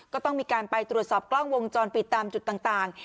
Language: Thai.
ก็ต้องมีการไปตรวจสอบกล้องวงจรปิดตามจุดต่าง